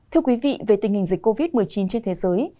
thưa quý vị về tình hình dịch covid một mươi chín trên thế giới